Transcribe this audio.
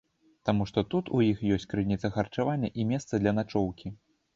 Таму што тут у іх ёсць крыніца харчавання і месца для начоўкі.